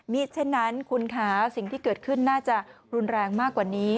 มีเช่นนั้นคุณคะสิ่งที่เกิดขึ้นน่าจะรุนแรงมากกว่านี้